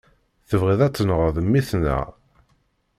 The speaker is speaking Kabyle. Tebɣiḍ a tenɣeḍ mmi-tneɣ?